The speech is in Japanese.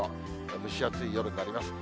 蒸し暑い夜になります。